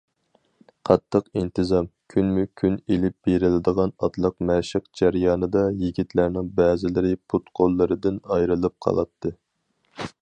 قاتتىق ئىنتىزام، كۈنمۇكۈن ئېلىپ بېرىلىدىغان ئاتلىق مەشىق جەريانىدا يىگىتلەرنىڭ بەزىلىرى پۇت- قوللىرىدىن ئايرىلىپ قالاتتى.